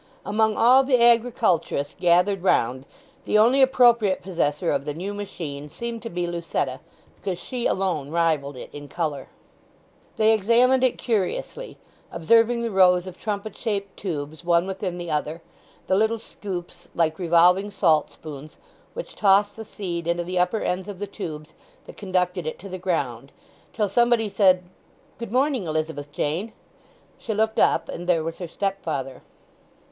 Among all the agriculturists gathered round the only appropriate possessor of the new machine seemed to be Lucetta, because she alone rivalled it in colour. They examined it curiously; observing the rows of trumpet shaped tubes one within the other, the little scoops, like revolving salt spoons, which tossed the seed into the upper ends of the tubes that conducted it to the ground; till somebody said, "Good morning, Elizabeth Jane." She looked up, and there was her stepfather.